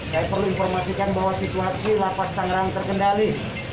saya perlu informasikan bahwa situasi lapas tangerang terkendali